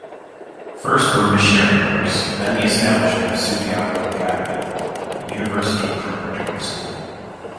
First were missionary works, then the establishment of Subiaco Academy, a university-preparatory school.